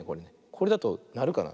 これだとなるかな。